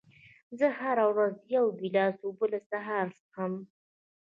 زه هره ورځ یو ګیلاس اوبه له سهاره څښم.